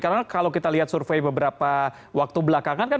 karena kalau kita lihat survei beberapa waktu belakangan kan